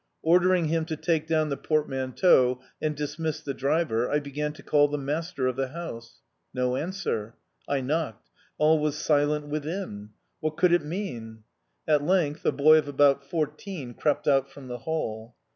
Ordering him to take down the portmanteau and dismiss the driver, I began to call the master of the house. No answer! I knocked all was silent within!... What could it mean? At length a boy of about fourteen crept out from the hall.